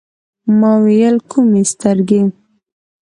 ما ویل: کومي سترګي ؟